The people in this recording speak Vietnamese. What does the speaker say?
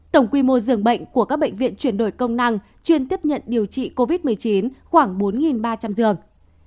tổng quy mô dường bệnh của các bệnh viện chuyển đổi công năng chuyên tiếp nhận điều trị covid một mươi chín khoảng bốn ba trăm linh giường